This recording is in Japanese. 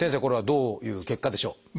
これはどういう結果でしょう？